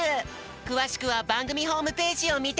くわしくはばんぐみホームページをみてね。